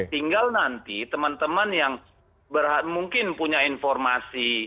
tinggal nanti teman teman yang mungkin punya informasi